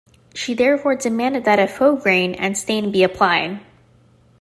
She therefore demanded that a faux grain and stain be applied.